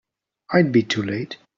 It'd be too late.